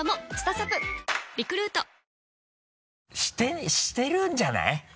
してるんじゃない？